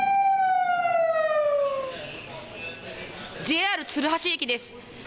ＪＲ鶴橋駅です。